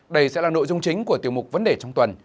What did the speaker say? đây sẽ là nội dung chính của tiêu mục vấn đề trong tuần